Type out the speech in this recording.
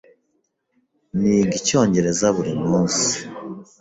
Niga Icyongereza buri munsi.